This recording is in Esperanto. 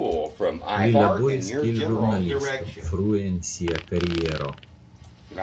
Li laboris kiel ĵurnalisto frue en sia kariero.